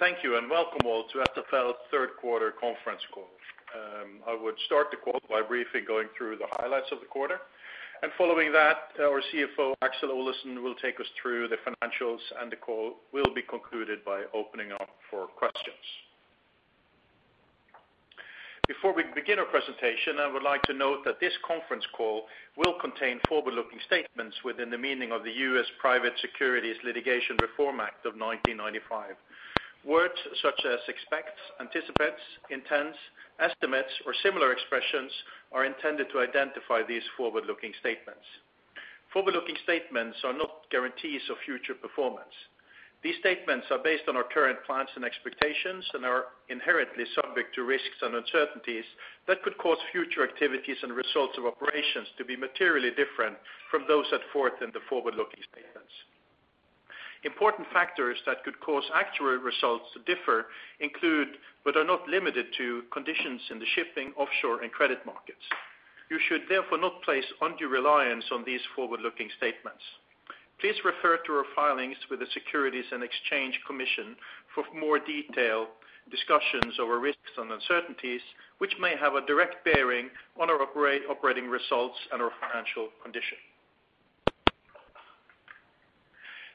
Thank you. Welcome all to SFL third quarter conference call. I would start the call by briefly going through the highlights of the quarter. Following that, our CFO, Aksel Olesen, will take us through the financials. The call will be concluded by opening up for questions. Before we begin our presentation, I would like to note that this conference call will contain forward-looking statements within the meaning of the US Private Securities Litigation Reform Act of 1995. Words such as expects, anticipates, intends, estimates, or similar expressions are intended to identify these forward-looking statements. Forward-looking statements are not guarantees of future performance. These statements are based on our current plans and expectations and are inherently subject to risks and uncertainties that could cause future activities and results of operations to be materially different from those set forth in the forward-looking statements. Important factors that could cause actual results to differ include, but are not limited to, conditions in the shipping, offshore, and credit markets. You should therefore not place undue reliance on these forward-looking statements. Please refer to our filings with the Securities and Exchange Commission for more detailed discussions of our risks and uncertainties, which may have a direct bearing on our operating results and our financial condition.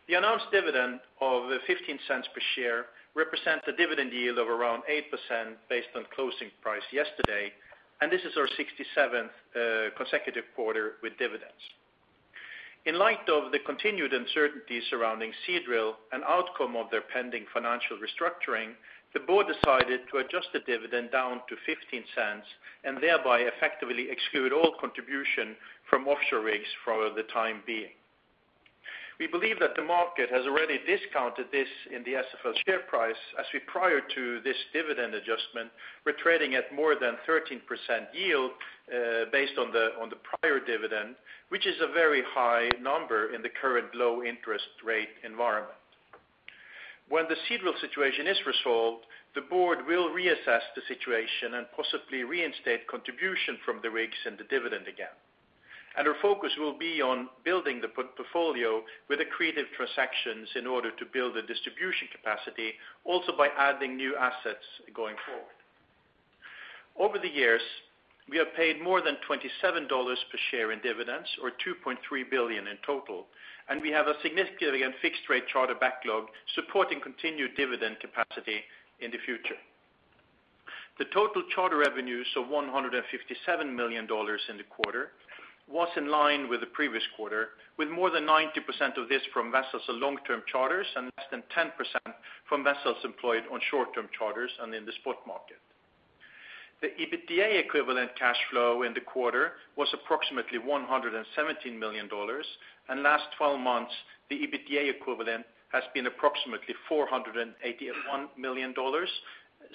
The announced dividend of $0.15 per share represents a dividend yield of around 8% based on closing price yesterday. This is our 67th consecutive quarter with dividends. In light of the continued uncertainty surrounding Seadrill and outcome of their pending financial restructuring, the board decided to adjust the dividend down to $0.15 and thereby effectively exclude all contribution from offshore rigs for the time being. We believe that the market has already discounted this in the SFL share price, as we prior to this dividend adjustment, were trading at more than 13% yield based on the prior dividend, which is a very high number in the current low interest rate environment. When the Seadrill situation is resolved, the board will reassess the situation and possibly reinstate contribution from the rigs and the dividend again. Our focus will be on building the portfolio with accretive transactions in order to build a distribution capacity, also by adding new assets going forward. Over the years, we have paid more than $27 per share in dividends or $2.3 billion in total, and we have a significant fixed rate charter backlog supporting continued dividend capacity in the future. The total charter revenues of $157 million in the quarter was in line with the previous quarter, with more than 90% of this from vessels on long-term charters and less than 10% from vessels employed on short-term charters and in the spot market. The EBITDA equivalent cash flow in the quarter was approximately $117 million, and last 12 months, the EBITDA equivalent has been approximately $481 million,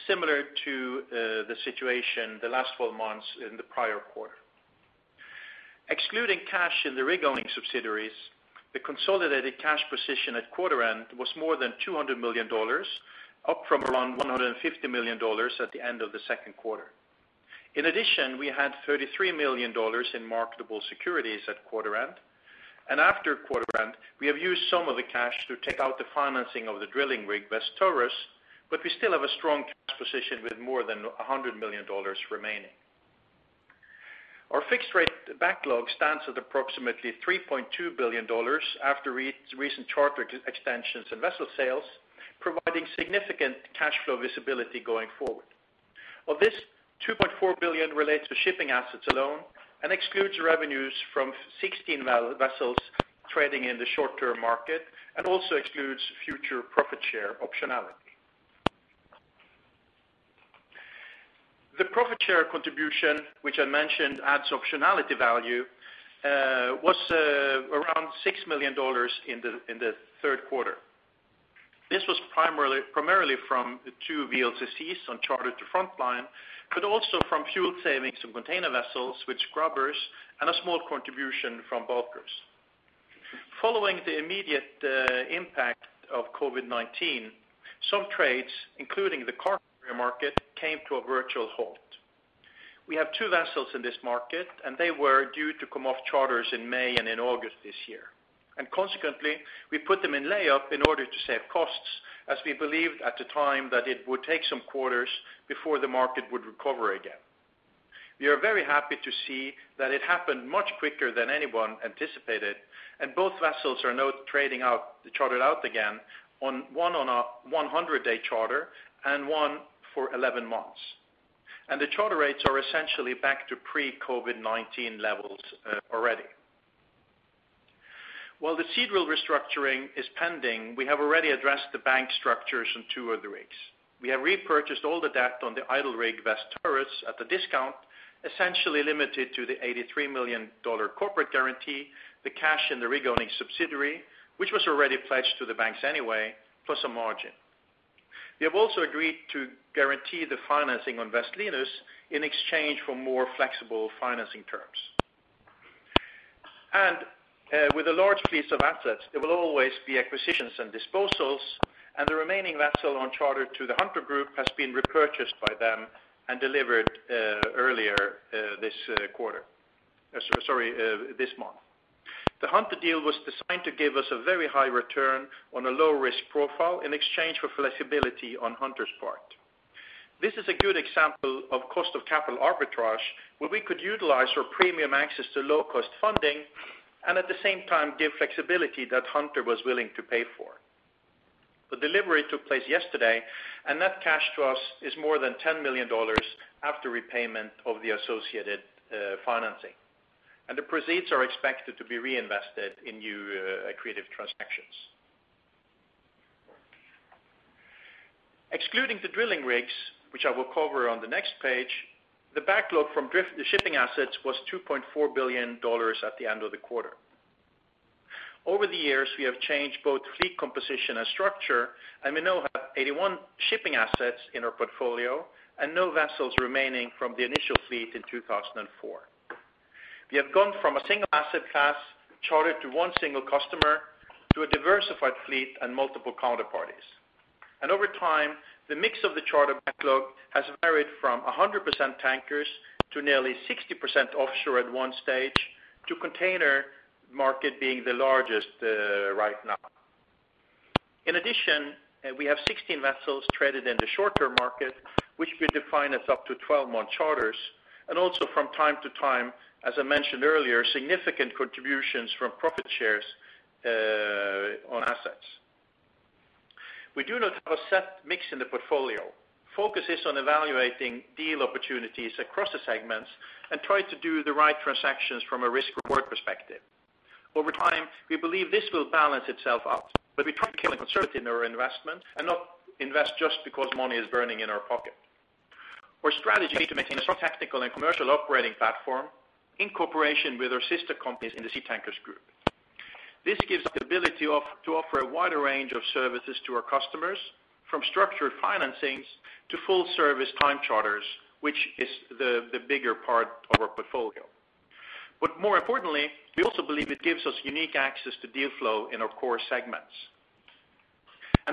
similar to the situation the last 12 months in the prior quarter. Excluding cash in the rig owning subsidiaries, the consolidated cash position at quarter end was more than $200 million, up from around $150 million at the end of the second quarter. We had $33 million in marketable securities at quarter end. After quarter end, we have used some of the cash to take out the financing of the drilling rig, West Taurus. We still have a strong cash position with more than $100 million remaining. Our fixed rate backlog stands at approximately $3.2 billion after recent charter extensions and vessel sales, providing significant cash flow visibility going forward. Of this, $2.4 billion relates to shipping assets alone and excludes revenues from 16 vessels trading in the short-term market and also excludes future profit share optionality. The profit share contribution, which I mentioned adds optionality value, was around $6 million in the third quarter. This was primarily from the two VLCCs on charter to Frontline, also from fuel savings from container vessels with scrubbers and a small contribution from bulkers. Following the immediate impact of COVID-19, some trades, including the car carrier market, came to a virtual halt. We have two vessels in this market, and they were due to come off charters in May and in August this year. Consequently, we put them in lay up in order to save costs as we believed at the time that it would take some quarters before the market would recover again. We are very happy to see that it happened much quicker than anyone anticipated, and both vessels are now chartered out again, one on a 100-day charter and one for 11 months. The charter rates are essentially back to pre-COVID-19 levels already. While the Seadrill restructuring is pending, we have already addressed the bank structures on two of the rigs. We have repurchased all the debt on the idle rig, West Taurus, at a discount, essentially limited to the $83 million corporate guarantee, the cash in the rig-owning subsidiary, which was already pledged to the banks anyway, plus a margin. We have also agreed to guarantee the financing on West Linus in exchange for more flexible financing terms. With a large fleet of assets, there will always be acquisitions and disposals, and the remaining vessel on charter to the Hunter Group has been repurchased by them and delivered earlier this month. The Hunter deal was designed to give us a very high return on a low-risk profile in exchange for flexibility on Hunter's part. This is a good example of cost of capital arbitrage, where we could utilize our premium access to low-cost funding, and at the same time give flexibility that Hunter was willing to pay for. The delivery took place yesterday. That cash to us is more than $10 million after repayment of the associated financing. The proceeds are expected to be reinvested in new accretive transactions. Excluding the drilling rigs, which I will cover on the next page, the backlog from the shipping assets was $2.4 billion at the end of the quarter. Over the years, we have changed both fleet composition and structure. We now have 81 shipping assets in our portfolio and no vessels remaining from the initial fleet in 2004. We have gone from a single asset class chartered to one single customer, to a diversified fleet and multiple counterparties. Over time, the mix of the charter backlog has varied from 100% tankers, to nearly 60% offshore at one stage, to container market being the largest right now. In addition, we have 16 vessels traded in the short-term market, which we define as up to 12-month charters, and also from time to time, as I mentioned earlier, significant contributions from profit shares on assets. We do not have a set mix in the portfolio. Focus is on evaluating deal opportunities across the segments and try to do the right transactions from a risk reward perspective. Over time, we believe this will balance itself out, but we try to be conservative in our investment and not invest just because money is burning in our pocket. Our strategy is to maintain a strong technical and commercial operating platform in cooperation with our sister companies in the Seatrans Group. This gives us the ability to offer a wider range of services to our customers, from structured financings to full service time charters, which is the bigger part of our portfolio. More importantly, we also believe it gives us unique access to deal flow in our core segments.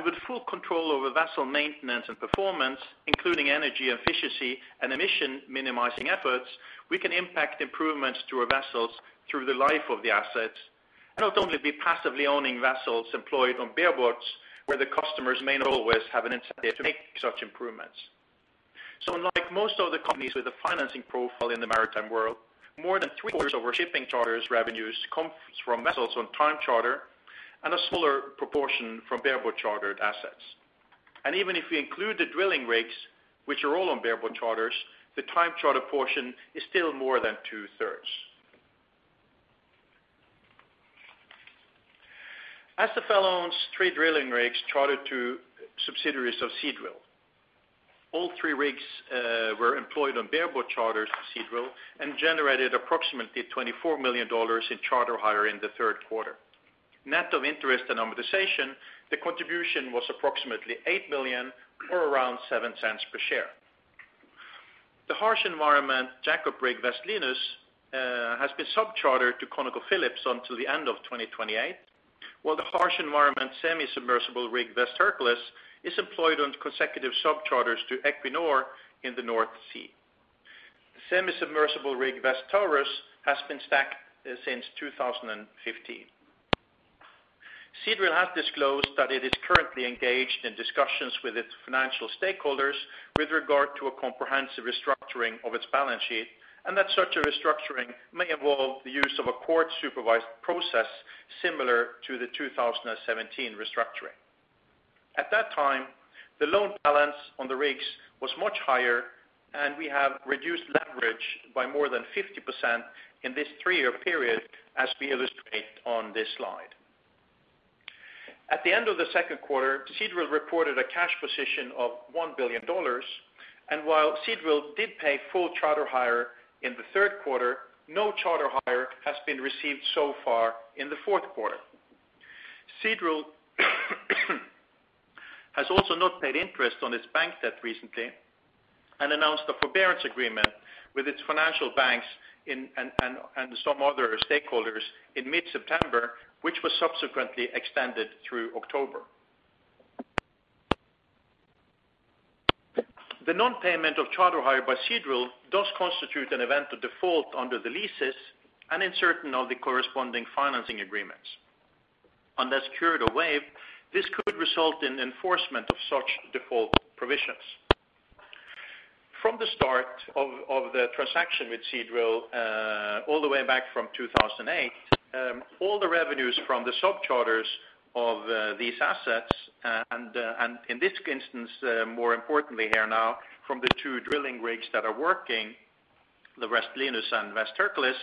With full control over vessel maintenance and performance, including energy efficiency and emission minimizing efforts, we can impact improvements to our vessels through the life of the assets and not only be passively owning vessels employed on bareboat where the customers may not always have an incentive to make such improvements. Unlike most other companies with a financing profile in the maritime world, more than three quarters of our shipping charters revenues come from vessels on time charter and a smaller proportion from bareboat chartered assets. Even if we include the drilling rigs, which are all on bareboat charters, the time charter portion is still more than two-thirds. SFL owns three drilling rigs chartered to subsidiaries of Seadrill. All three rigs were employed on bareboat charters to Seadrill and generated approximately $24 million in charter hire in the third quarter. Net of interest and amortization, the contribution was approximately $8 million or around $0.07 per share. The harsh environment jackup rig, West Linus, has been sub-chartered to ConocoPhillips until the end of 2028, while the harsh environment semi-submersible rig, West Hercules, is employed on consecutive sub-charters to Equinor in the North Sea. The semi-submersible rig, West Taurus, has been stacked since 2015. Seadrill has disclosed that it is currently engaged in discussions with its financial stakeholders with regard to a comprehensive restructuring of its balance sheet, and that such a restructuring may involve the use of a court-supervised process similar to the 2017 restructuring. At that time, the loan balance on the rigs was much higher, and we have reduced leverage by more than 50% in this three-year period as we illustrate on this slide. At the end of the second quarter, Seadrill reported a cash position of $1 billion, and while Seadrill did pay full charter hire in the third quarter, no charter hire has been received so far in the fourth quarter. Seadrill has also not paid interest on its bank debt recently and announced a forbearance agreement with its financial banks and some other stakeholders in mid-September, which was subsequently extended through October. The non-payment of charter hire by Seadrill does constitute an event of default under the leases and in certain of the corresponding financing agreements. Unless cured or waived, this could result in enforcement of such default provisions. From the start of the transaction with Seadrill, all the way back from 2008, all the revenues from the sub-charters of these assets and, in this instance, more importantly here now, from the two drilling rigs that are working, the West Linus and West Hercules,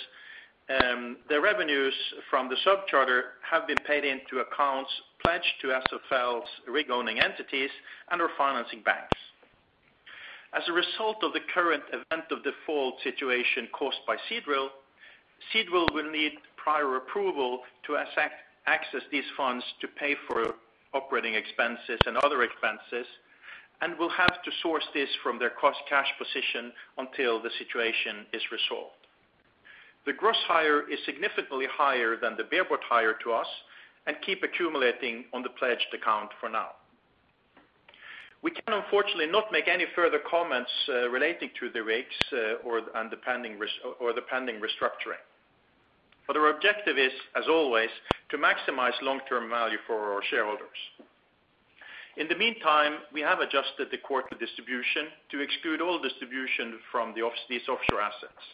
the revenues from the sub-charter have been paid into accounts pledged to SFL's rig-owning entities and our financing banks. As a result of the current event of default situation caused by Seadrill will need prior approval to access these funds to pay for operating expenses and other expenses and will have to source this from their cost cash position until the situation is resolved. The gross hire is significantly higher than the bareboat hire to us and keep accumulating on the pledged account for now. We can unfortunately not make any further comments relating to the rigs or the pending restructuring. Our objective is, as always, to maximize long-term value for our shareholders. In the meantime, we have adjusted the quarterly distribution to exclude all distribution from these offshore assets.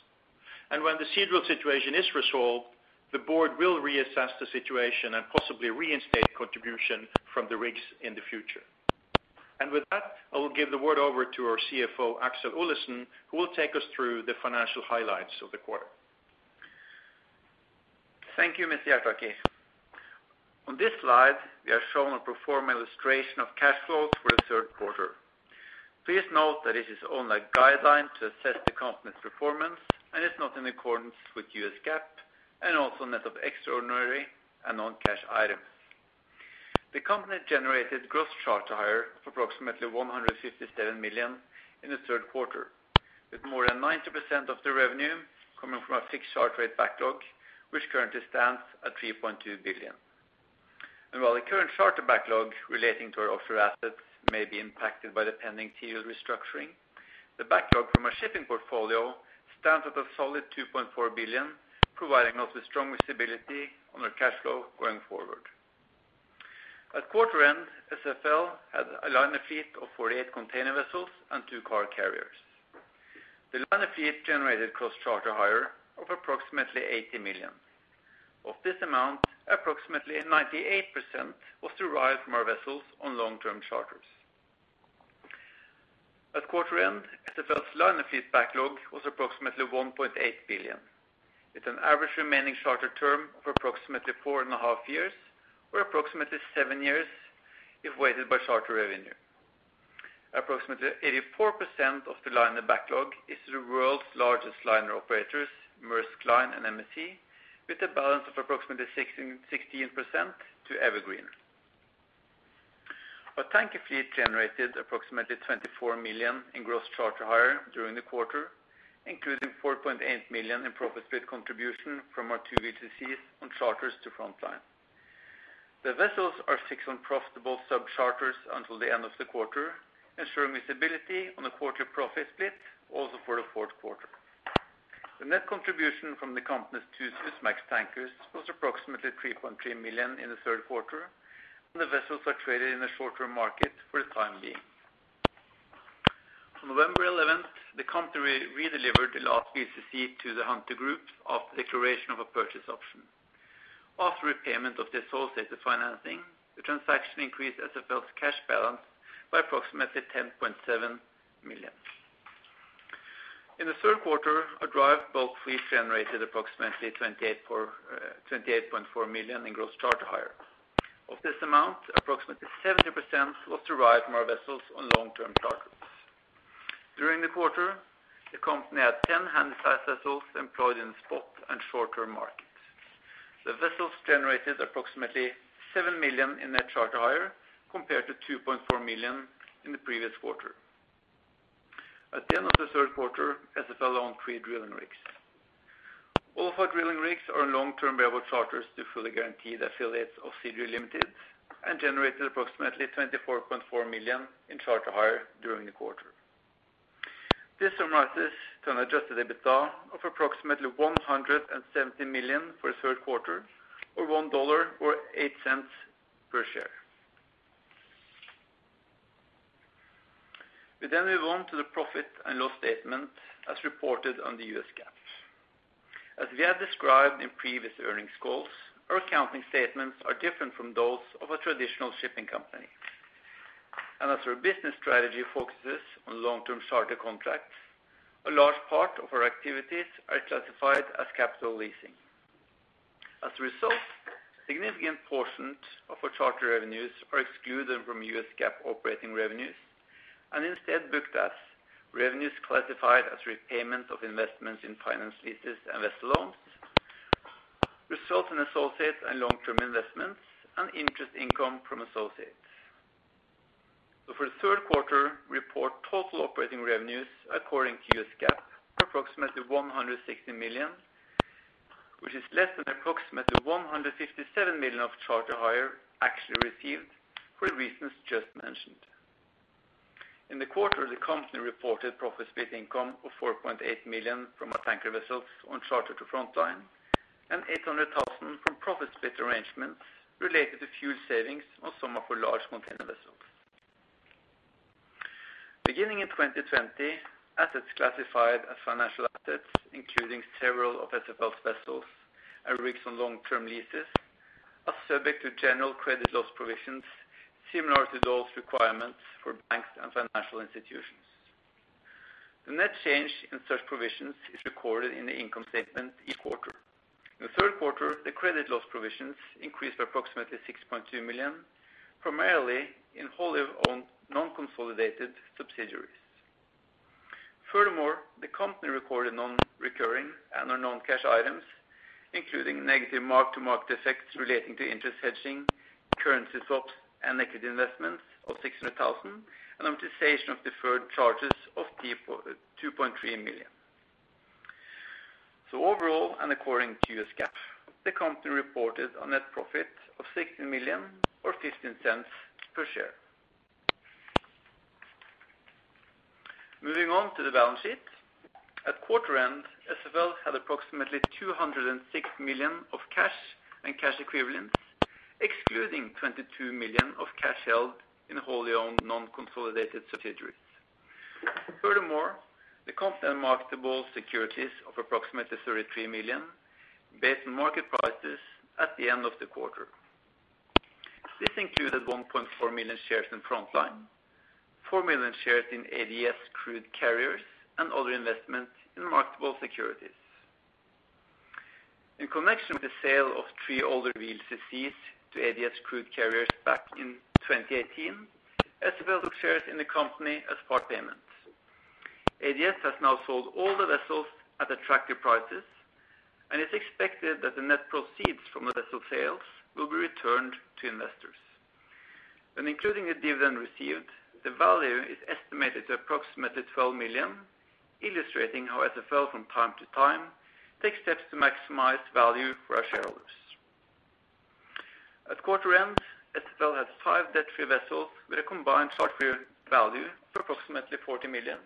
When the Seadrill situation is resolved, the board will reassess the situation and possibly reinstate contribution from the rigs in the future. With that, I will give the word over to our CFO, Aksel Olesen, who will take us through the financial highlights of the quarter. Thank you, Mr. Hjertaker. On this slide, we are shown a pro forma illustration of cash flows for the third quarter. Please note that it is only a guideline to assess the company's performance and is not in accordance with US GAAP, and also net of extraordinary and non-cash items. The company generated gross charter hire of approximately $157 million in the third quarter, with more than 90% of the revenue coming from our fixed charter rate backlog, which currently stands at $3.2 billion. While the current charter backlog relating to our offshore assets may be impacted by the pending Seadrill restructuring, the backlog from our shipping portfolio stands at a solid $2.4 billion, providing us with strong visibility on our cash flow going forward. At quarter end, SFL had a liner fleet of 48 container vessels and two car carriers. The liner fleet generated gross charter hire of approximately $80 million. Of this amount, approximately 98% was derived from our vessels on long-term charters. At quarter end, SFL's liner fleet backlog was approximately $1.8 billion, with an average remaining charter term of approximately four and a half years, or approximately seven years if weighted by charter revenue. Approximately 84% of the liner backlog is the world's largest liner operators, Maersk Line and MSC, with a balance of approximately 16% to Evergreen. Our tanker fleet generated approximately $24 million in gross charter hire during the quarter, including $4.8 million in profit split contribution from our two VLCCs on charters to Frontline. The vessels are fixed on profitable subcharters until the end of the quarter, ensuring visibility on the quarter profit split also for the fourth quarter. The net contribution from the company's two Suezmax tankers was approximately $3.3 million in the third quarter, and the vessels are traded in the short-term market for the time being. On November 11th, the company redelivered the last VLCC to the Hunter Group after the declaration of a purchase option. After repayment of the associated financing, the transaction increased SFL's cash balance by approximately $10.7 million. In the third quarter, our dry bulk fleet generated approximately $28.4 million in gross charter hire. Of this amount, approximately 70% was derived from our vessels on long-term charters. During the quarter, the company had 10 handysize vessels employed in spot and short-term markets. The vessels generated approximately $7 million in net charter hire compared to $2.4 million in the previous quarter. At the end of the third quarter, SFL owned three drilling rigs. All of our drilling rigs are in long-term variable charters to fully guaranteed affiliates of Seadrill Limited and generated approximately $24.4 million in charter hire during the quarter. This summarizes to an adjusted EBITDA of approximately $170 million for the third quarter or $1.08 per share. We move on to the profit and loss statement as reported under US GAAP. As we have described in previous earnings calls, our accounting statements are different from those of a traditional shipping company. As our business strategy focuses on long-term charter contracts, a large part of our activities are classified as capital leasing. As a result, significant portions of our charter revenues are excluded from US GAAP operating revenues and instead booked as revenues classified as repayment of investments in finance leases and vessel loans, result in associates and long-term investments, and interest income from associates. For the third quarter, we report total operating revenues according to US GAAP of approximately $160 million, which is less than approximately $157 million of charter hire actually received for the reasons just mentioned. In the quarter, the company reported profit split income of $4.8 million from our tanker vessels on charter to Frontline and $800,000 from profit split arrangements related to fuel savings on some of our large container vessels. Beginning in 2020, assets classified as financial assets, including several of SFL's vessels and rigs on long-term leases, are subject to general credit loss provisions similar to those requirements for banks and financial institutions. The net change in such provisions is recorded in the income statement each quarter. In the third quarter, the credit loss provisions increased by approximately $6.2 million, primarily in wholly-owned non-consolidated subsidiaries. Furthermore, the company recorded non-recurring and non-cash items, including negative mark-to-market effects relating to interest hedging, currency swaps, and equity investments of $600,000, and amortization of deferred charges of $2.3 million. Overall, and according to US GAAP, the company reported a net profit of $16 million or $0.15 per share. Moving on to the balance sheet. At quarter end, SFL had approximately $206 million of cash and cash equivalents, excluding $22 million of cash held in wholly owned non-consolidated subsidiaries. Furthermore, the company had marketable securities of approximately $33 million based on market prices at the end of the quarter. This included 1.4 million shares in Frontline, four million shares in ADS Crude Carriers, and other investments in marketable securities. In connection with the sale of three older VLCCs to ADS Crude Carriers back in 2018, SFL took shares in the company as part payment. ADS has now sold all the vessels at attractive prices, and it's expected that the net proceeds from the vessel sales will be returned to investors. When including the dividend received, the value is estimated at approximately $12 million, illustrating how SFL from time to time, takes steps to maximize value for our shareholders. At quarter end, SFL has five debt-free vessels with a combined chart rate value of approximately $40 million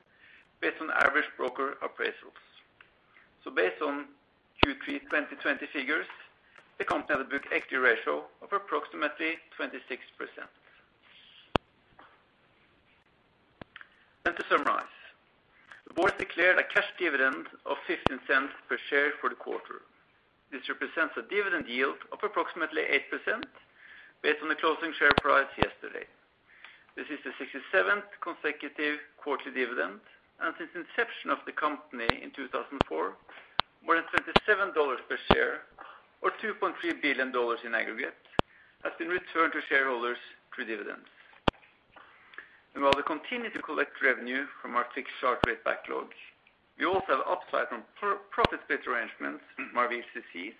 based on average broker appraisals. Based on Q3 2020 figures, the company has a book equity ratio of approximately 26%. To summarize, the board declared a cash dividend of $0.15 per share for the quarter. This represents a dividend yield of approximately 8% based on the closing share price yesterday. This is the 67th consecutive quarterly dividend. Since inception of the company in 2004, more than $37 per share or $2.3 billion in aggregate has been returned to shareholders through dividends. While we continue to collect revenue from our fixed charter rate backlog, we also have upside from profit split arrangements on our VLCCs,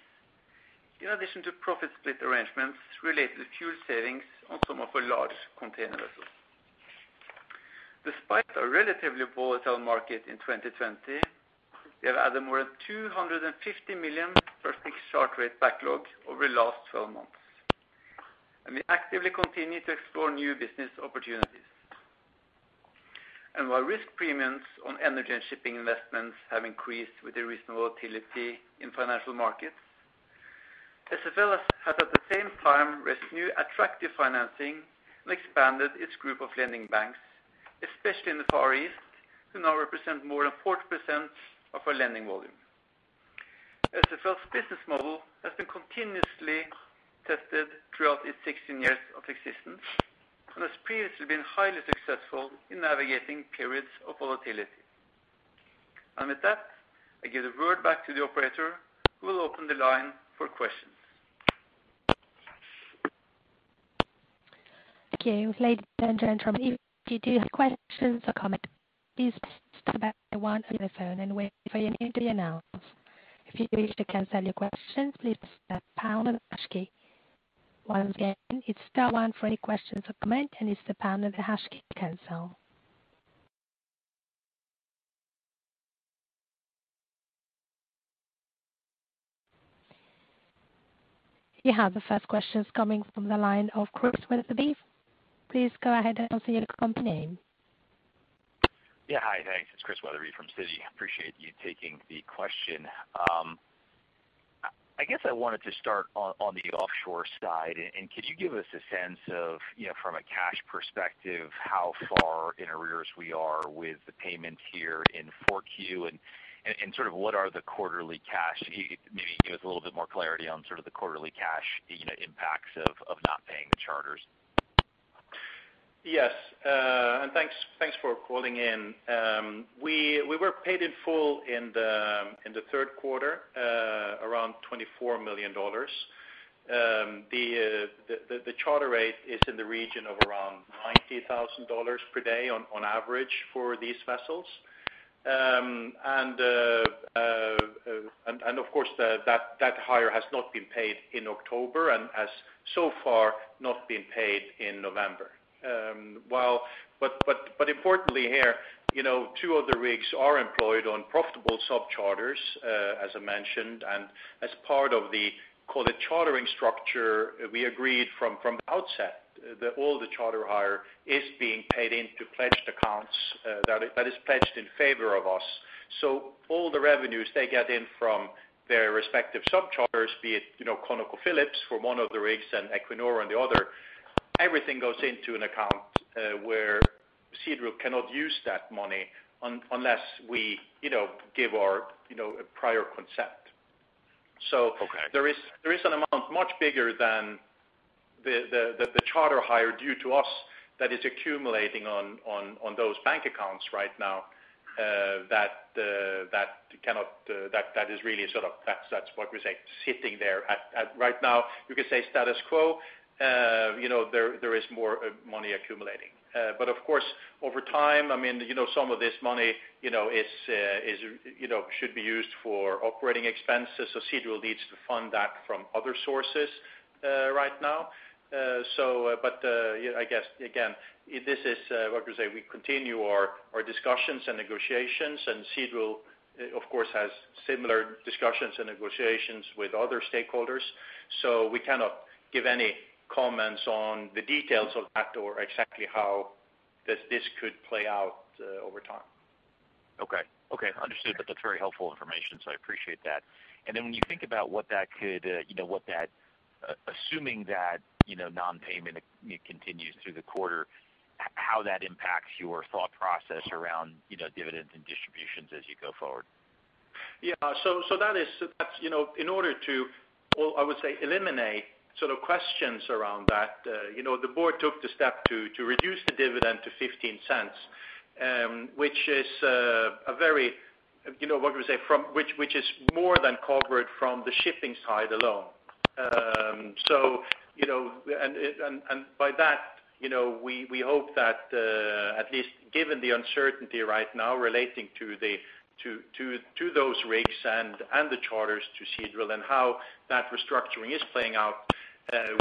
in addition to profit split arrangements related to fuel savings on some of our large container vessels. Despite a relatively volatile market in 2020, we have added more than $250 million to our fixed chart rate backlog over the last 12 months. We actively continue to explore new business opportunities. While risk premiums on energy and shipping investments have increased with the recent volatility in financial markets, SFL has at the same time raised new attractive financing and expanded its group of lending banks, especially in the Far East, who now represent more than 40% of our lending volume. SFL's business model has been continuously tested throughout its 16 years of existence and has previously been highly successful in navigating periods of volatility. With that, I give the word back to the operator, who will open the line for questions. Thank you. Ladies and gentlemen, if you do have questions or comments, please press star one on your phone and wait for your name to be announced. If you wish to cancel your questions, please press pound and hash key. Once again, it is star one for any questions or comments, and it is the pound and the hash key to cancel. You have the first questions coming from the line of Christian Wetherbee. Please go ahead and state your company name. Yeah. Hi, thanks. It's Christian Wetherbee from Citi. Appreciate you taking the question. I guess I wanted to start on the offshore side. Could you give us a sense of from a cash perspective, how far in arrears we are with the payments here in Q4 and what are the quarterly cash impacts of not paying the charters. Yes. Thanks for calling in. We were paid in full in the third quarter, around $24 million. The charter rate is in the region of around $90,000 per day on average for these vessels. Of course, that hire has not been paid in October and has so far not been paid in November. Importantly here, two of the rigs are employed on profitable subcharters, as I mentioned, and as part of the chartering structure we agreed from the outset that all the charter hire is being paid into pledged accounts that is pledged in favor of us. All the revenues they get in from their respective subcharters, be it ConocoPhillips for one of the rigs and Equinor on the other, everything goes into an account where Seadrill cannot use that money unless we give our prior consent. Okay. There is an amount much bigger than the charter hire due to us that is accumulating on those bank accounts right now that is really sort of, that's what we say, sitting there at right now, you could say status quo. There is more money accumulating. Of course, over time, some of this money should be used for operating expenses, so Seadrill needs to fund that from other sources right now. I guess, again, this is what we say, we continue our Our discussions and negotiations, Seadrill, of course, has similar discussions and negotiations with other stakeholders. We cannot give any comments on the details of that or exactly how this could play out over time. Okay. Understood. That's very helpful information. I appreciate that. When you think about what that could, assuming that non-payment continues through the quarter, how that impacts your thought process around dividends and distributions as you go forward. In order to, well, I would say eliminate questions around that, the board took the step to reduce the dividend to $0.15, which is more than covered from the shipping side alone. By that, we hope that at least given the uncertainty right now relating to those rigs and the charters to Seadrill and how that restructuring is playing out,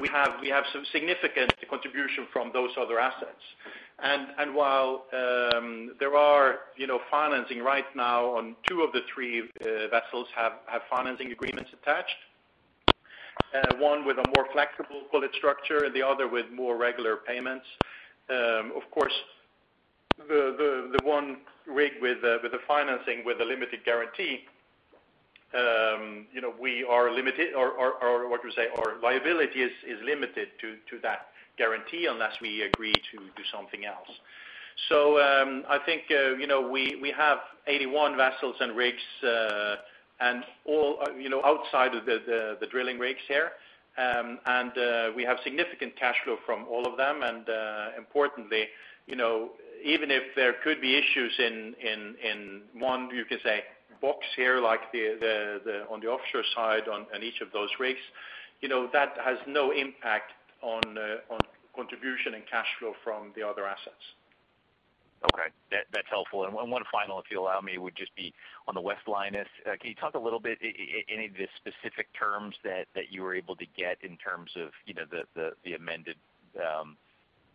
we have some significant contribution from those other assets. While there are financing right now on two of the three vessels have financing agreements attached, one with a more flexible bullet structure and the other with more regular payments. Of course, the one rig with the financing, with the limited guarantee, our liability is limited to that guarantee unless we agree to do something else. I think we have 81 vessels and rigs outside of the drilling rigs here, and we have significant cash flow from all of them. Importantly, even if there could be issues in one, you could say box here, like on the offshore side on each of those rigs, that has no impact on contribution and cash flow from the other assets. Okay. That's helpful. One final, if you allow me, would just be on the West Linus. Can you talk a little bit, any of the specific terms that you were able to get in terms of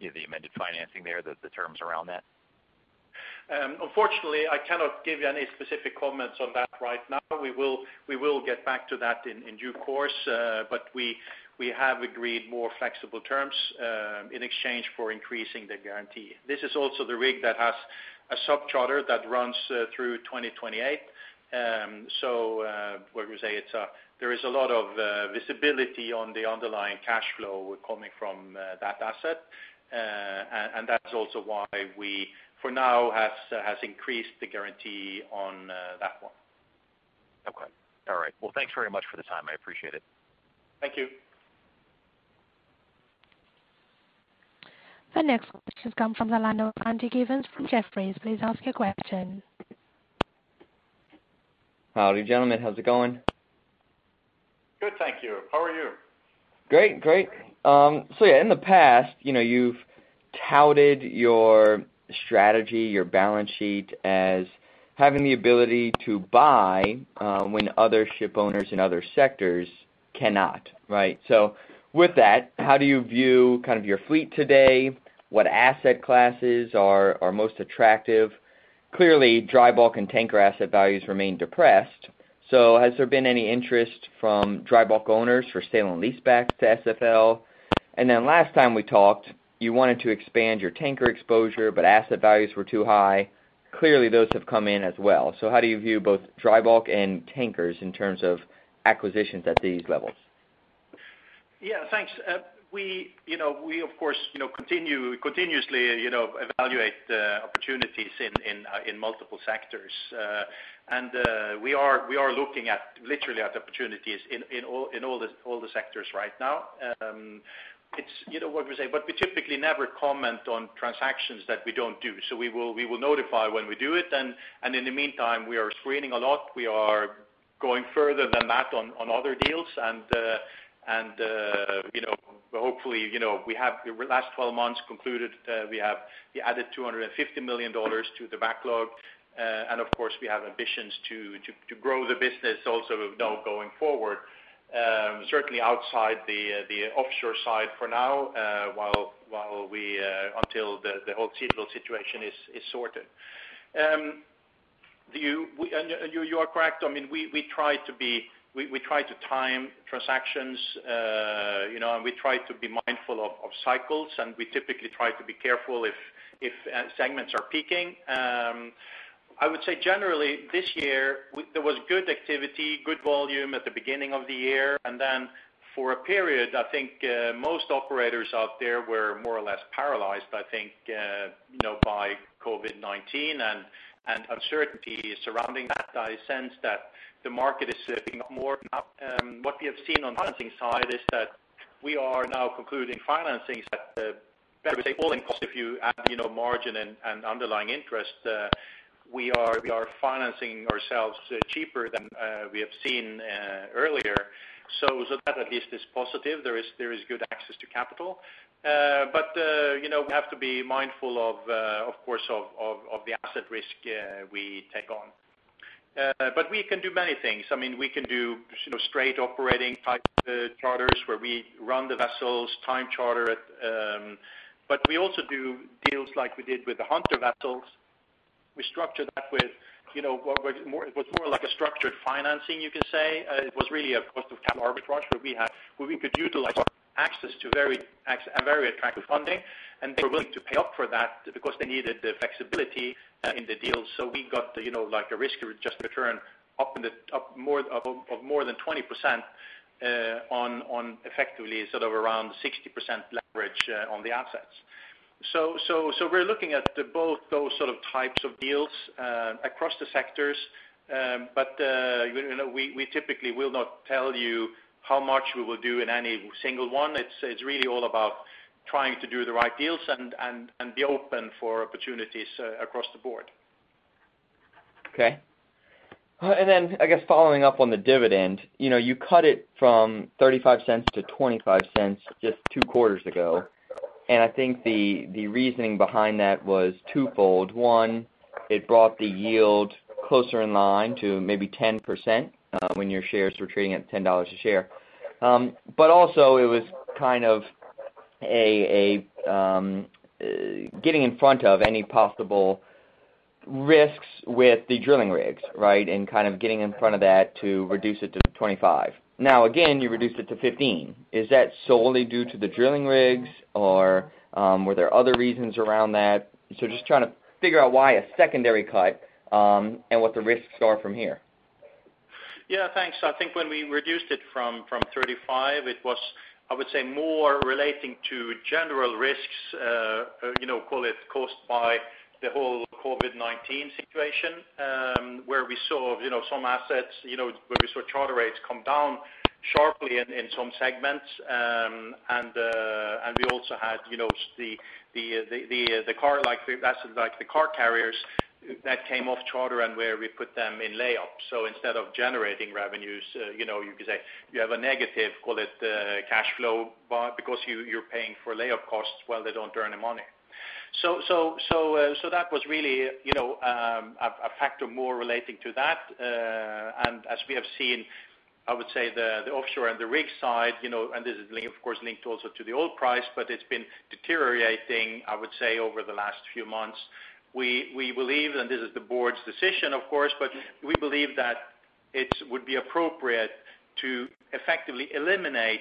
the amended financing there, the terms around that? Unfortunately, I cannot give you any specific comments on that right now. We will get back to that in due course. We have agreed more flexible terms in exchange for increasing the guarantee. This is also the rig that has a subcharter that runs through 2028. What we say, there is a lot of visibility on the underlying cash flow coming from that asset. That's also why we, for now, have increased the guarantee on that one. Okay. All right. Thanks very much for the time. I appreciate it. Thank you. The next question comes from the line of Randy Giveans from Jefferies. Please ask your question. Howdy, gentlemen. How's it going? Good, thank you. How are you? Great. Yeah, in the past, you've touted your strategy, your balance sheet, as having the ability to buy when other ship owners in other sectors cannot. Right? With that, how do you view kind of your fleet today? What asset classes are most attractive? Clearly, dry bulk and tanker asset values remain depressed, has there been any interest from dry bulk owners for sale and lease back to SFL? Then last time we talked, you wanted to expand your tanker exposure, but asset values were too high. Clearly, those have come in as well. How do you view both dry bulk and tankers in terms of acquisitions at these levels? Yeah, thanks. We, of course, continuously evaluate opportunities in multiple sectors. We are looking literally at opportunities in all the sectors right now. What would we say? We typically never comment on transactions that we don't do. We will notify when we do it, and in the meantime, we are screening a lot. We are going further than that on other deals, and hopefully, we have the last 12 months concluded, we added $250 million to the backlog. Of course, we have ambitions to grow the business also going forward. Certainly outside the offshore side for now, until the whole Seadrill situation is sorted. You are correct. We try to time transactions, and we try to be mindful of cycles, and we typically try to be careful if segments are peaking. I would say generally this year, there was good activity, good volume at the beginning of the year, and then for a period, I think, most operators out there were more or less paralyzed, I think, by COVID-19 and uncertainty surrounding that. I sense that the market is shifting more. What we have seen on the financing side is that we are now concluding financings at a better, say, all-in cost, if you add margin and underlying interest. We are financing ourselves cheaper than we have seen earlier. That at least is positive. There is good access to capital. We have to be mindful, of course, of the asset risk we take on. We can do many things. We can do straight operating type charters where we run the vessels, time charter it, but we also do deals like we did with the Hunter vessels. We structured that with what was more like a structured financing, you could say. It was really a cost of capital arbitrage where we could utilize our access to very attractive funding, and they were willing to pay up for that because they needed the flexibility in the deal. We got a risk-adjusted return of more than 20% on effectively around 60% leverage on the assets. We're looking at both those types of deals across the sectors. We typically will not tell you how much we will do in any single one. It's really all about trying to do the right deals and be open for opportunities across the board. Okay. I guess following up on the dividend, you cut it from $0.35 to $0.25 just two quarters ago. I think the reasoning behind that was twofold. One, it brought the yield closer in line to maybe 10% when your shares were trading at $10 a share. Also it was getting in front of any possible risks with the drilling rigs, and getting in front of that to reduce it to $0.25. Now, again, you reduced it to $0.15. Is that solely due to the drilling rigs, or were there other reasons around that? Just trying to figure out why a secondary cut and what the risks are from here. Yeah, thanks. I think when we reduced it from $0.35, it was, I would say, more relating to general risks, call it caused by the whole COVID-19 situation, where we saw charter rates come down sharply in some segments. We also had the car carriers that came off charter and where we put them in layups. Instead of generating revenues, you could say you have a negative, call it cash flow, because you're paying for layup costs while they don't earn any money. That was really a factor more relating to that. As we have seen, I would say the offshore and the rig side, and this is of course linked also to the oil price, but it's been deteriorating, I would say, over the last few months. We believe, and this is the board's decision, of course, but we believe that it would be appropriate to effectively eliminate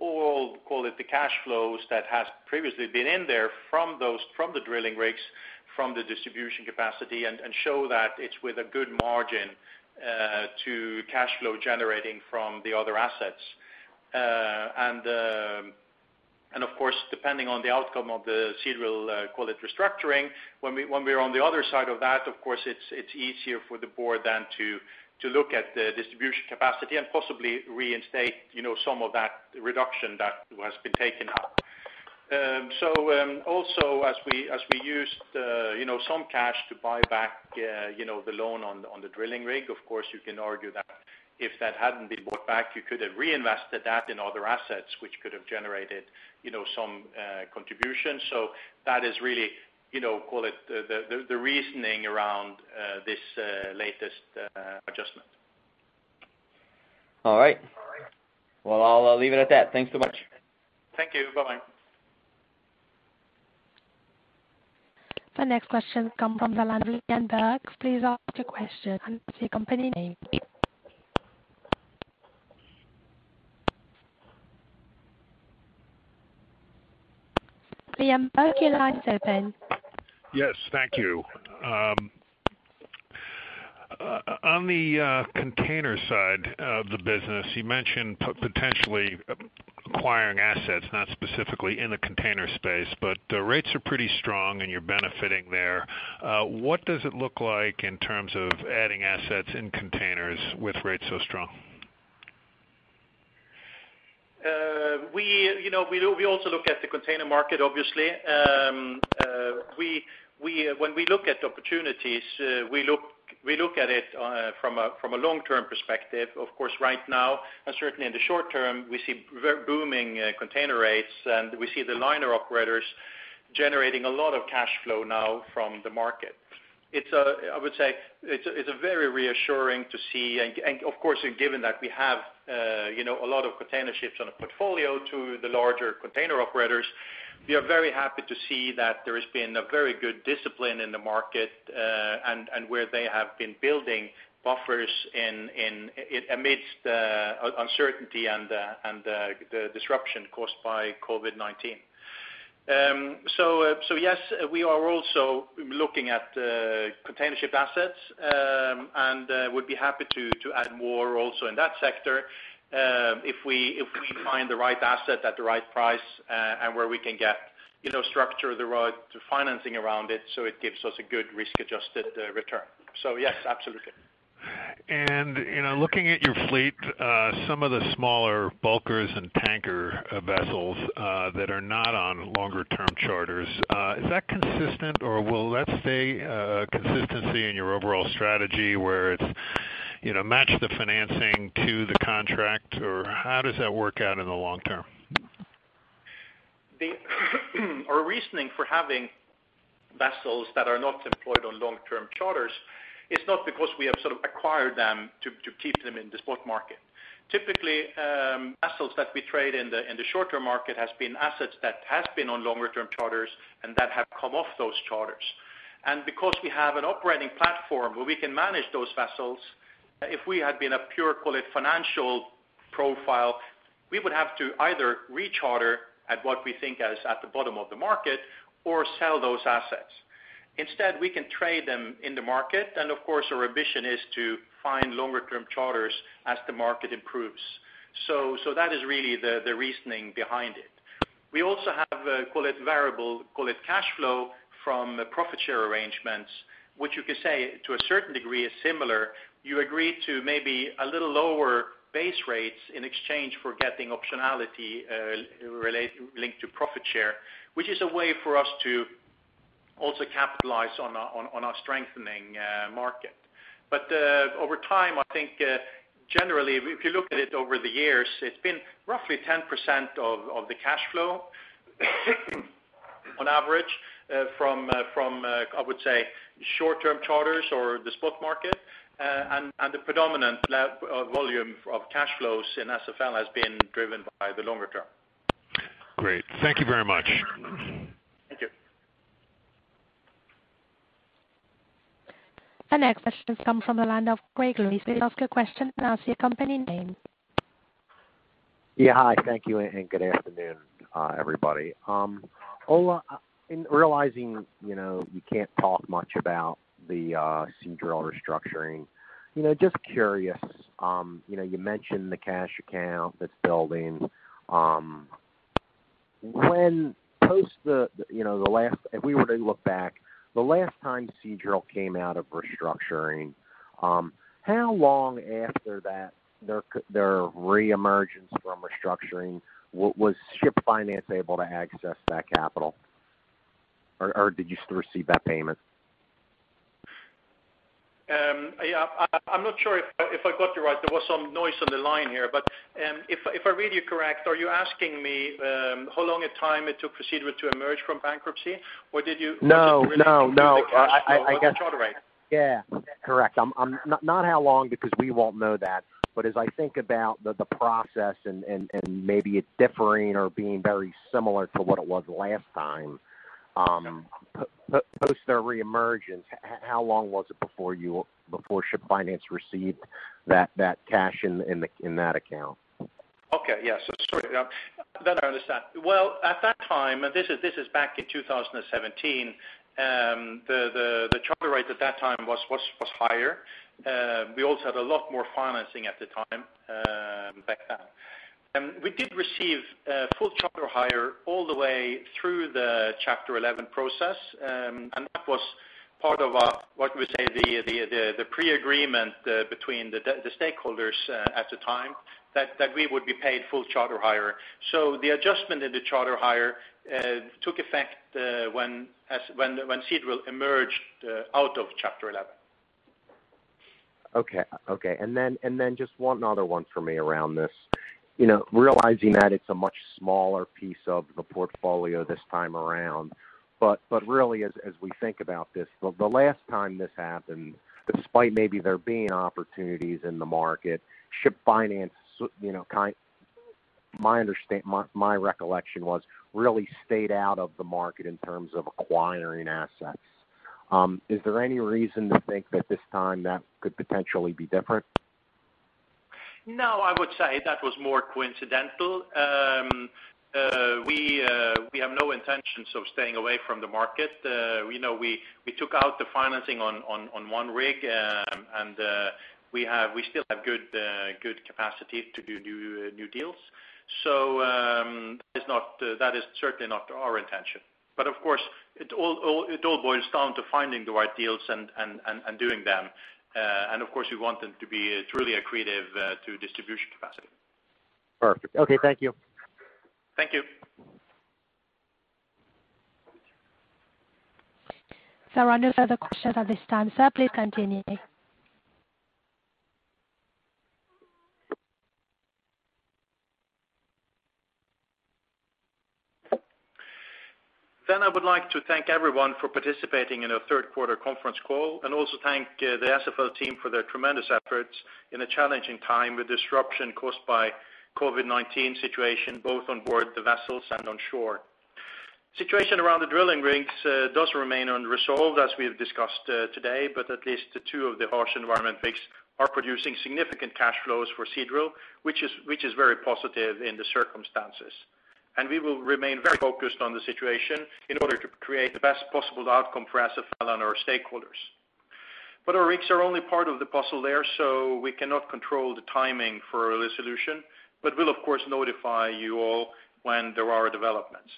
all, call it the cash flows that has previously been in there from the drilling rigs, from the distribution capacity and show that it's with a good margin to cash flow generating from the other assets. Depending on the outcome of the Seadrill, call it restructuring, when we are on the other side of that, of course, it's easier for the board then to look at the distribution capacity and possibly reinstate some of that reduction that has been taken out. Also as we used some cash to buy back the loan on the drilling rig, of course, you can argue that if that hadn't been bought back, you could have reinvested that in other assets, which could have generated some contribution. That is really, call it the reasoning around this latest adjustment. All right. Well, I'll leave it at that. Thanks so much. Thank you. Bye-bye. The next question comes from the line of Liam Burke. Please ask your question and the company name. Liam Burke, your line's open. Yes, thank you. On the container side of the business, you mentioned potentially acquiring assets, not specifically in the container space, but the rates are pretty strong and you're benefiting there. What does it look like in terms of adding assets in containers with rates so strong? We also look at the container market, obviously. When we look at opportunities, we look at it from a long-term perspective. Of course, right now, and certainly in the short term, we see booming container rates, and we see the liner operators generating a lot of cash flow now from the market. I would say it's very reassuring to see, and of course, given that we have a lot of container ships on a portfolio to the larger container operators, we are very happy to see that there has been a very good discipline in the market, and where they have been building buffers amidst uncertainty and the disruption caused by COVID-19. Yes, we are also looking at container ship assets, and would be happy to add more also in that sector if we find the right asset at the right price and where we can get structure the right financing around it, so it gives us a good risk-adjusted return. Yes, absolutely. Looking at your fleet, some of the smaller bulkers and tanker vessels that are not on longer term charters, is that consistent or will that stay a consistency in your overall strategy where it's match the financing to the contract, or how does that work out in the long term? Our reasoning for having vessels that are not employed on long-term charters is not because we have acquired them to keep them in the spot market. Typically, vessels that we trade in the short-term market has been assets that has been on longer term charters and that have come off those charters. Because we have an operating platform where we can manage those vessels, if we had been a pure call it financial profile, we would have to either re-charter at what we think is at the bottom of the market or sell those assets. Instead, we can trade them in the market, and of course, our ambition is to find longer term charters as the market improves. That is really the reasoning behind it. We also have, call it variable, call it cash flow from profit share arrangements, which you could say to a certain degree is similar. You agree to maybe a little lower base rates in exchange for getting optionality linked to profit share, which is a way for us to also capitalize on our strengthening market. Over time, I think, generally, if you look at it over the years, it's been roughly 10% of the cash flow on average from, I would say, short-term charters or the spot market, and the predominant volume of cash flows in SFL has been driven by the longer term. Great. Thank you very much. Thank you. The next question comes from the line of Craig Lewis. Please ask your question and announce your company name. Yeah. Hi, thank you and good afternoon, everybody. Ole, in realizing you can't talk much about the Seadrill restructuring. Just curious, you mentioned the cash account that's building. If we were to look back, the last time Seadrill came out of restructuring, how long after that their reemergence from restructuring, was Ship Finance able to access that capital or did you still receive that payment? I'm not sure if I got you right. There was some noise on the line here. If I read you correct, are you asking me how long a time it took Seadrill to emerge from bankruptcy? No. Did you really think they kept the charter rate? Yeah. Correct. As I think about the process and maybe it differing or being very similar to what it was last time, post their reemergence, how long was it before Ship Finance received that cash in that account? Okay. Yeah. Sorry. That I understand. Well, at that time, and this is back in 2017, the charter rate at that time was higher. We also had a lot more financing at the time back then. We did receive full charter hire all the way through the Chapter 11 process. That was part of, what we say, the pre-agreement between the stakeholders at the time that we would be paid full charter hire. The adjustment in the charter hire took effect when Seadrill emerged out of Chapter 11. Okay. Just one other one for me around this. Realizing that it's a much smaller piece of the portfolio this time around, but really as we think about this, the last time this happened, despite maybe there being opportunities in the market, Ship Finance, my recollection was really stayed out of the market in terms of acquiring assets. Is there any reason to think that this time that could potentially be different? No, I would say that was more coincidental. We have no intentions of staying away from the market. We took out the financing on one rig, and we still have good capacity to do new deals. That is certainly not our intention. Of course, it all boils down to finding the right deals and doing them. Of course, we want them to be truly accretive to distribution capacity. Perfect. Okay. Thank you. Thank you. There are no further questions at this time, sir. Please continue. I would like to thank everyone for participating in our third quarter conference call, and also thank the SFL team for their tremendous efforts in a challenging time with disruption caused by COVID-19 situation, both on board the vessels and on shore. Situation around the drilling rigs does remain unresolved as we have discussed today, but at least the two of the harsh environment rigs are producing significant cash flows for Seadrill, which is very positive in the circumstances. We will remain very focused on the situation in order to create the best possible outcome for SFL and our stakeholders. Our rigs are only part of the puzzle there, so we cannot control the timing for a resolution, but we'll of course notify you all when there are developments.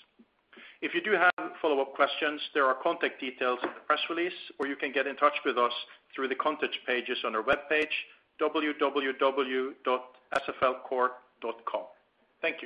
If you do have follow-up questions, there are contact details in the press release, or you can get in touch with us through the contact pages on our webpage, www.sflcorp.com. Thank you.